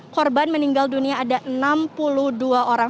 korban meninggal dunia ada enam puluh dua orang